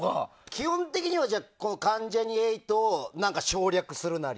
基本的には関ジャニ∞を省略するなり？